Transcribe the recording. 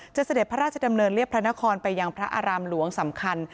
เสด็จพระราชดำเนินเรียบพระนครไปยังพระอารามหลวงสำคัญ